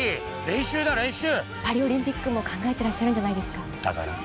練習だ練習パリオリンピックも考えていらっしゃるんじゃないですかだから？